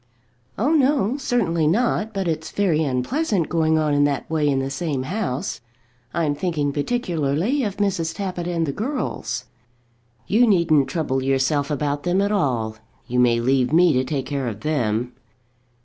"Oh, no; certainly not. But it's very unpleasant going on in that way in the same house. I'm thinking particularly of Mrs. Tappitt and the girls." "You needn't trouble yourself about them at all. You may leave me to take care of them."